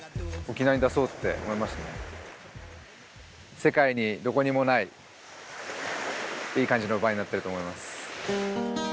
世界にどこにもないいい感じのバーになってると思います。